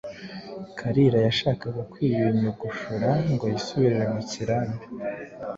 Kalira yashaka kwiyunyugushura ngo yisubirire mu kirambi,